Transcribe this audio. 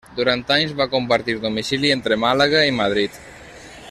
Durant anys va compartir domicili entre Màlaga i Madrid.